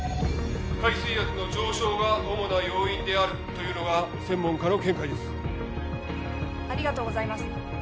海水圧の上昇が主な要因であるというのが専門家の見解ですありがとうございます